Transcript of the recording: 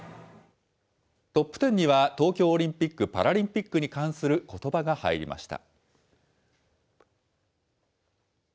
トップテンには東京オリンピック・パラリンピックに関することばが入りました。